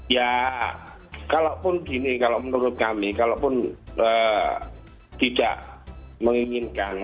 ya kalaupun gini kalau menurut kami kalaupun tidak menginginkan